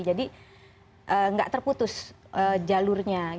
jadi tidak terputus jalurnya